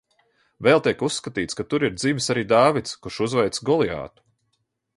Vēl tiek uzskatīts, ka tur ir dzimis arī Dāvids, kurš uzveica Goliātu.